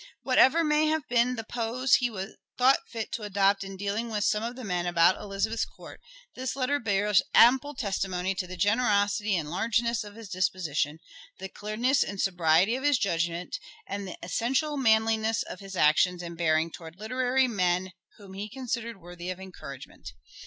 Whatever may have been the pose he thought fit to adopt in dealing with some of the men about Elizabeth's court, this letter bears ample testimony to the generosity and largeness of his disposition, the clearness and sobriety of his judgment, and the essential manliness of his actions and bearing towards literary men whom he considered worthy of encouragement.